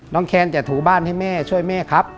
แคนจะถูบ้านให้แม่ช่วยแม่ครับ